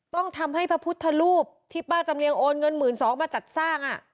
ต้องทำให้พระพุทธรูปที่ป้าจำเรียงโอนเงิน๑๒๐๐มาจัดสร้าง